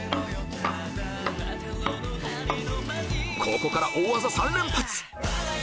ここから大技３連発！